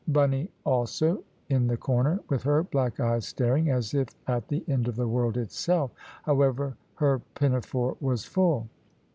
Bunny also in the corner, with her black eyes staring, as if at the end of the world itself. However, her pinafore was full.